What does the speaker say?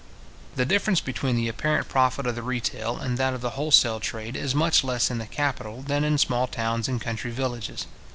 The difference between the apparent profit of the retail and that of the wholesale trade, is much less in the capital than in small towns and country villages.